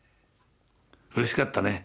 うれしかったね